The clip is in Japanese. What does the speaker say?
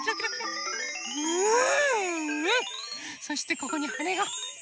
そしてここにはねが。